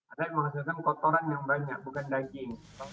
ada yang menghasilkan kotoran yang banyak bukan daging